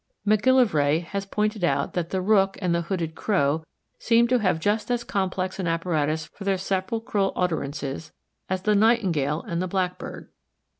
MacGillivray has pointed out that the Rook and the Hooded Crow seem to have just as complex an apparatus for their sepulchral utterances as the Nightingale and the Blackbird.